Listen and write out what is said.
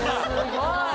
すごい。